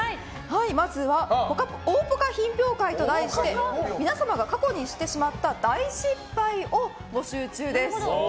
まずは、大ぽか品評会と題して皆様が過去にしてしまった大失敗を募集中です。